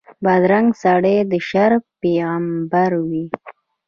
بدرنګه سړی د شر پېغمبر وي